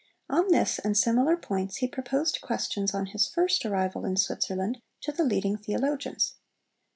On this and similar points he proposed questions on his first arrival in Switzerland to the leading theologians.